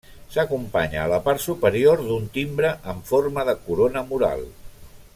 S'acompanya, a la part superior, d'un timbre amb forma de corona mural.